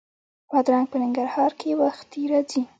بادرنګ په ننګرهار کې وختي راځي